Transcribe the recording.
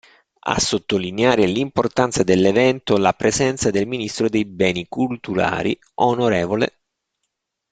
A sottolineare l'importanza dell'evento la presenza del Ministro dei Beni Culturali, On.